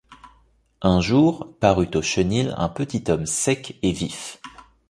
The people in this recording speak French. Un jour, parut au chenil un petit homme sec et vif.